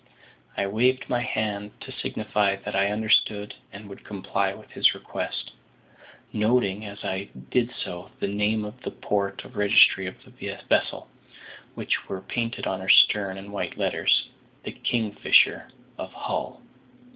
I waved my hand, to signify that I understood and would comply with his request; noting, as I did so, the name and the port of registry of the vessel, which were painted on her stern in white letters: "The Kingfisher, of Hull."